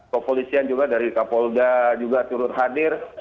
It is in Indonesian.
kepolisian juga dari kapolda juga turut hadir